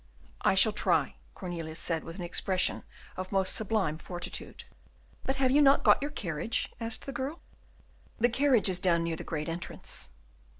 "I shall try," Cornelius said, with an expression of most sublime fortitude. "But have you not got your carriage?" asked the girl. "The carriage is down near the great entrance."